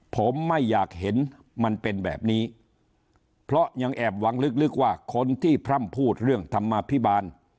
ผมไม่อยากเห็นมันเป็นแบบนี้เพราะยังแอบหวังลึกว่าคนที่พร่ำพูดเรื่องธรรมภิบาล